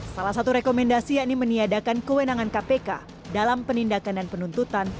salah satu rekomendasi yakni meniadakan kewenangan kpk dalam penindakan dan penuntutan